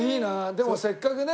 でもせっかくね。